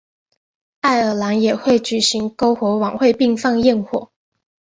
爱尔兰也会举行篝火晚会并放焰火。